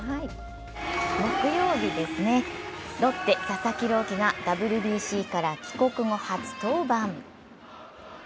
木曜日ですね、ロッテ・佐々木朗希がＷＢＣから帰国後初登板。